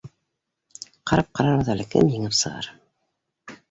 Ҡарап ҡарарбыҙ әле, кем еңеп сығыр